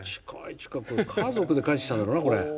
家族で帰ってきたんだろうなこれ。